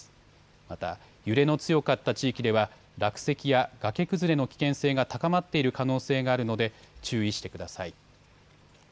また揺れの強かった地域では落石や崖崩れの危険性が高まっている可能性があるので注意してください。